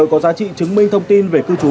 có giá trị chứng minh thông tin về cư trú